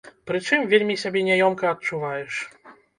Прычым, вельмі сябе няёмка адчуваеш.